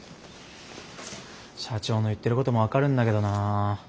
社長の言ってることも分かるんだけどな。